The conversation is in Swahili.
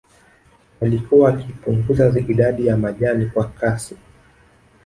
Walikuwa wakipunguza idadi ya majani kwa kasi